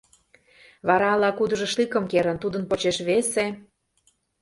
Вара ала-кудыжо штыкым керын, тудын почеш весе...